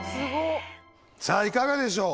さあいかがでしょう？